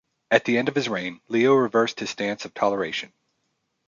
At the end of his reign, Leo reversed his stance of toleration.